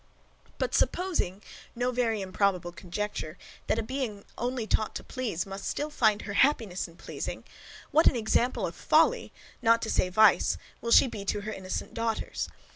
But supposing, no very improbable conjecture, that a being only taught to please must still find her happiness in pleasing; what an example of folly, not to say vice, will she be to her innocent daughters!